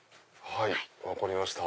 はい分かりました。